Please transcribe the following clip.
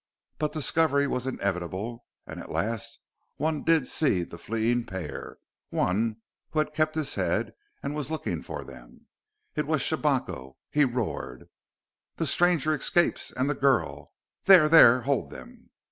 But discovery was inevitable, and at last one did see the fleeing pair one who had kept his head and was looking for them. It was Shabako. He roared: "The stranger escapes and the girl! There, there! Hold them!"